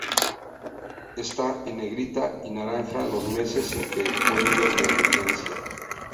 Están en negrita y naranja los meses en que fue líder de audiencia.